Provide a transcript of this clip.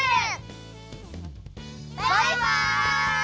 バイバイ！